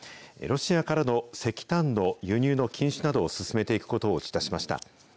ロシアからの石炭の輸入の禁止などを進めていくことを打ち出しました。